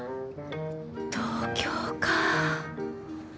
東京か。